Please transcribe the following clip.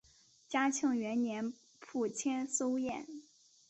嘉庆元年赴千叟宴。